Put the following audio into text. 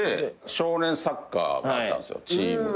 少年サッカーがあったんですよチームが。